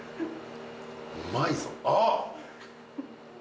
うまいぞあっ！